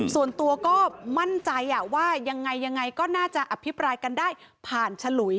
ส่วนตัวก็มั่นใจว่ายังไงยังไงก็น่าจะอภิปรายกันได้ผ่านฉลุย